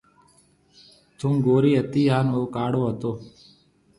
ٿُون گوري هتي هانَ او ڪاڙو هتو۔